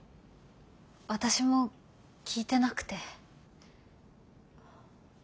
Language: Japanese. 私も聞いてなくて。